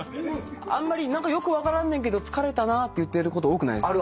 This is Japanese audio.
あんまりよく分からんねんけど疲れたなって言ってること多くないですか？